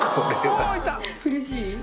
うれしい？